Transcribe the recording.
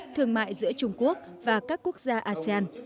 thương mại giữa trung quốc và các quốc gia asean